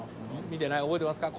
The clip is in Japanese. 見てない覚えてますか？